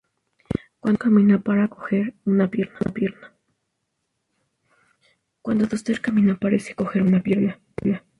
Cuando Duster camina, parece coger una pierna.